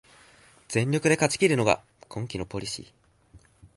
全力で戦い勝ちきるのが今季のポリシー